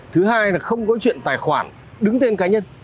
thứ hai là không có chuyện tài khoản đứng tên cá nhân